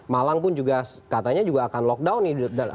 malang pun juga katanya juga akan lockdown nih